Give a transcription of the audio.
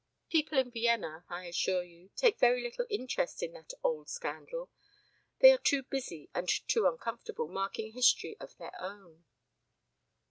"People in Vienna, I assure you, take very little interest in that old scandal. They are too busy and too uncomfortable making history of their own."